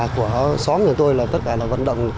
của xóm nhà tôi là tất cả vận động